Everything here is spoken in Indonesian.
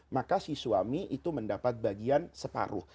maka si suami itu mendapat bagian separuh